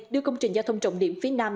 đưa công trình giao thông trọng điểm phía nam